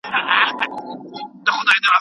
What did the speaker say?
ما خو ویلي وه درځم ته به مي لاره څارې